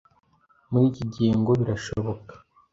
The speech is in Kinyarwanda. muri iki gihe ngo birashoboka